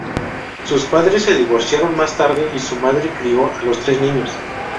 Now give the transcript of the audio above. Sus padres se divorciaron más tarde y su madre crio a los tres niños.